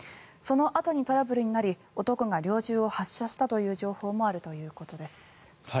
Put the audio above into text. そのあとにトラブルになり男が猟銃を発射したという情報もあるということです。